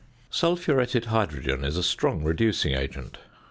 Sulphuretted hydrogen is a strong reducing agent.